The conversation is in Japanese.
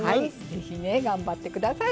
ぜひね頑張って下さい。